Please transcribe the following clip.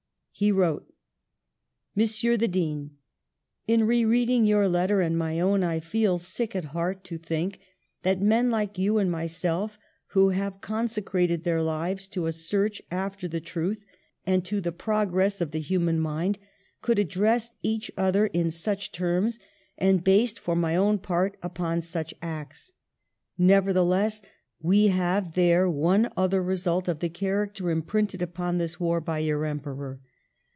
He wrote: ''Monsieur the Dean: In re reading your let ter and my own, I feel sick at heart to think that men like you and myself, who have consecrated their lives to a search after the truth and to the progress of the human mind, could address each other in such terms, and based, for my own part, upon such acts. Nevertheless, we have there one other result of the character imprinted upon this war by your Emperor.